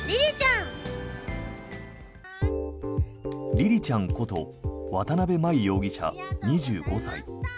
りりちゃんこと渡邊真衣容疑者２５歳。